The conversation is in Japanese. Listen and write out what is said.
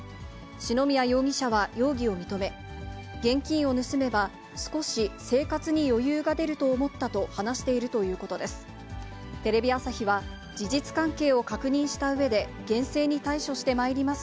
篠宮容疑者は容疑を認め、現金を盗めば、少し生活に余裕が出ると思ったと話しているということです。